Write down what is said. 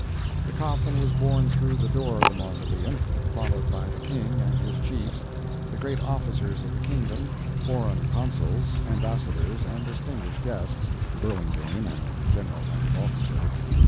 The coffin was borne through the door of the mausoleum, followed by the King and his chiefs, the great officers of the kingdom, foreign Consuls, Ambassadors and distinguished guests (Burlingame and General Van Valkenburgh).